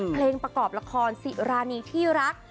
เพลงประกอบละครสิรานีที่รัก